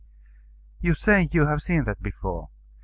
You say you have seen that before.